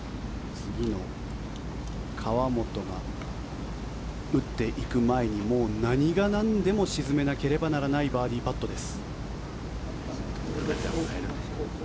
次の河本が打っていく前にもう何がなんでも沈めなければならないバーディーパットです。